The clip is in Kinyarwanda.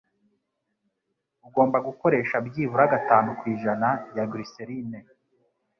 Ugomba gukoresha byibura gatanu kwijana ya glycerine